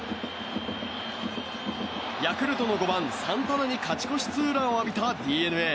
ヤクルトの５番、サンタナに勝ち越しツーランを浴びたＤｅＮＡ。